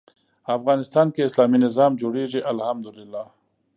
افغانستان کې اسلامي نظام جوړېږي الحمد لله.